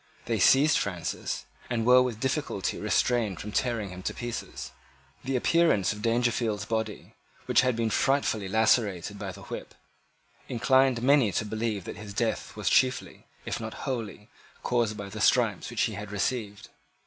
They seized Francis, and were with difficulty restrained from tearing him to pieces. The appearance of Dangerfield's body, which had been frightfully lacerated by the whip, inclined many to believe that his death was chiefly, if not wholly, caused by the stripes which he had received.